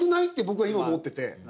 僕は今思ってて。